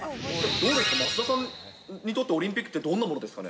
どうですか、増田さんにとってオリンピックってどんなものですかね。